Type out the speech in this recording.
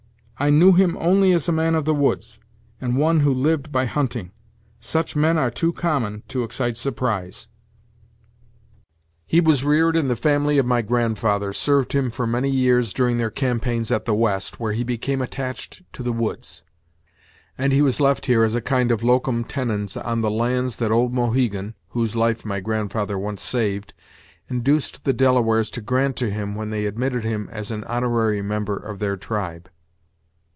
I knew him only as a man of the woods, and one who lived by hunting. Such men are too common to excite surprise." "He was reared in the family of my grandfather; served him for many years during their campaigns at the West, where he became attached to the woods; and he was left here as a kind of locum tenens on the lands that old Mohegan (whose life my grandfather once saved) induced the Delawares to grant to him when they admitted him as an honorary member of their tribe.